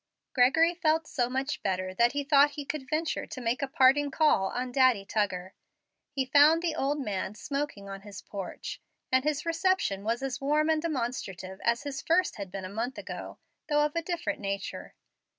Gregory felt so much better that he thought he could venture to make a parting call on Daddy Tuggar. He found the old man smoking on his porch, and his reception was as warm and demonstrative as his first had been a month ago, though of a different nature.